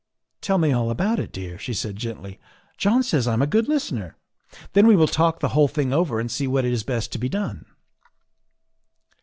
" Tell me all about it, dear," she said gently. ''John says I am a good listener. Then we will talk the whole thing over and see what is best to be done."